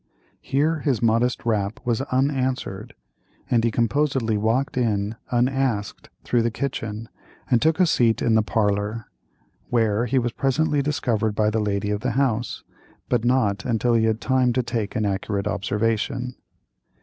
Here his modest rap was unanswered, and he composedly walked in, unasked, through the kitchen, and took a seat in the parlor, where he was presently discovered by the lady of the house, but not until he had time to take an accurate observation.